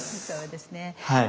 そうですね。